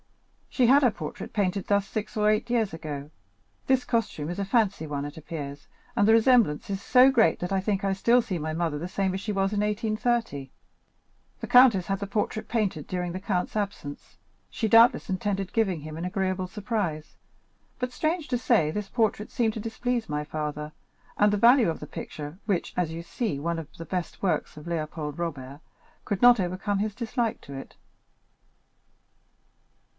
She had her portrait painted thus six or eight years ago. This costume is a fancy one, it appears, and the resemblance is so great that I think I still see my mother the same as she was in 1830. The countess had this portrait painted during the count's absence. She doubtless intended giving him an agreeable surprise; but, strange to say, this portrait seemed to displease my father, and the value of the picture, which is, as you see, one of the best works of Léopold Robert, could not overcome his dislike to it.